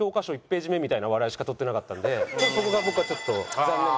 １ページ目みたいな笑いしかとってなかったんでそこが僕はちょっと残念。